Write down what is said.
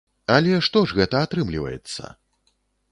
Але што ж гэта атрымліваецца?